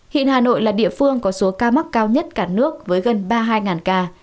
hiện hà nội là địa phương có số ca mắc cao nhất cả nước với gần ba mươi hai ca